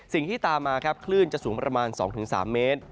สิ่งที่ตามมาครับคลื่นจะสูงประมาณ๒๓เมตร